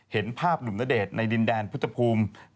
เห็นภาพหนุ่มณเดชน์ในดินแดนพุทธภูมิ